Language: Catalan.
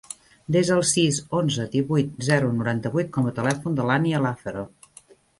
Desa el sis, onze, divuit, zero, noranta-vuit com a telèfon de l'Ànnia Lazaro.